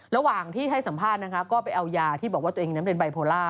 ระหว่างที่ให้สัมภาษณ์นะคะก็ไปเอายาที่บอกว่าตัวเองนั้นเป็นไบโพล่า